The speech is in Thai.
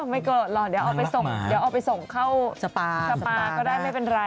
ไม่เกิดหรอกเดี๋ยวเอาไปส่งเข้าสปาก็ได้ไม่เป็นไร